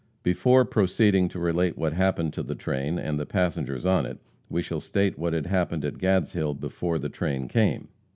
Before proceeding to relate what happened to the train and the passengers on it, we shall state what had happened at Gadshill before the train came.